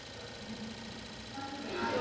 联苯是两个苯基相连形成的化合物。